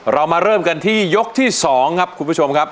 เรามาเริ่มกันที่ยกที่๒ครับคุณผู้ชมครับ